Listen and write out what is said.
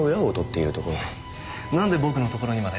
なんで僕のところにまで？